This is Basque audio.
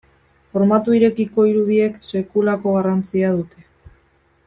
Formatu irekiko irudiek sekulako garrantzia dute.